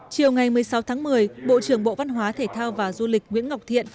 chiều ngày một mươi sáu tháng một mươi bộ trưởng bộ văn hóa thể thao và du lịch nguyễn ngọc thiện